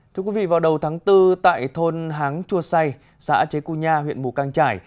thưa quý vị vào đầu tháng bốn tại thôn háng chua say xã chế cua nha huyện mù căng trải